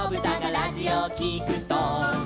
「ラジオをきくと」